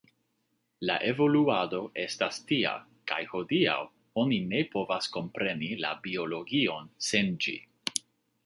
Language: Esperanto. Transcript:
La evoluado estas tia kaj hodiaŭ oni ne povas kompreni la biologion sen ĝi.